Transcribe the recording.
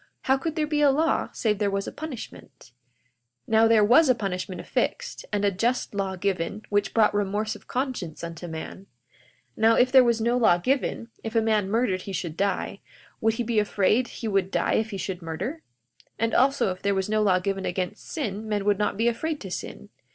How could there be a law save there was a punishment? 42:18 Now, there was a punishment affixed, and a just law given, which brought remorse of conscience unto man. 42:19 Now, if there was no law given—if a man murdered he should die—would he be afraid he would die if he should murder? 42:20 And also, if there was no law given against sin men would not be afraid to sin.